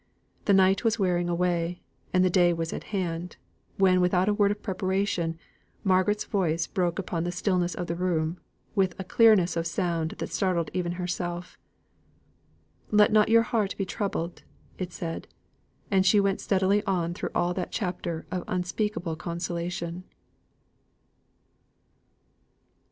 The night was wearing away, and the day was at hand, when, without a word of preparation, Margaret's voice broke upon the stillness of the room, with a clearness of sound that startled even herself: "Let not your heart be troubled," it said; and she went steadily on through all that chapter of unspeakable consolation.